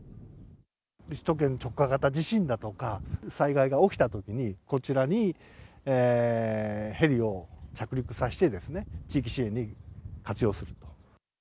首都圏直下型地震だとか、災害が起きたときに、こちらにヘリを着陸させてですね、地域支援に活用すると。